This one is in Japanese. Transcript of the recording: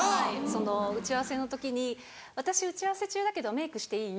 その打ち合わせの時に「私打ち合わせ中だけどメイクしていい？」